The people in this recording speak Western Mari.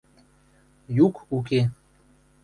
Юк уке.